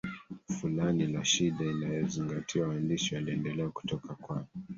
fulani la shida inayozingatiwa waandishi waliendelea kutoka kwa